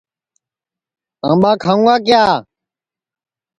آمٻا کھاؤں گا کِیا